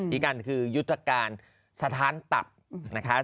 อีกอันคือยุทธการสถานตับนะคะ